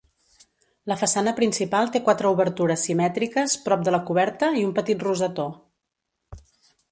La façana principal té quatre obertures simètriques prop de la coberta i un petit rosetó.